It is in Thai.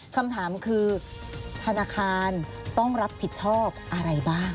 คำถามคือธนาคารต้องรับผิดชอบอะไรบ้าง